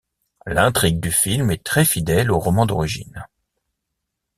L'intrigue du film est très fidèle au roman d'origine.